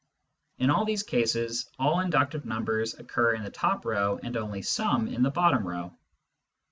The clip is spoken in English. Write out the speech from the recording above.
In all these cases, all inductive numbers occur in the top row, and only some in the bottom row.